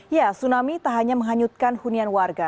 ya tsunami tak hanya menghanyutkan hunian warga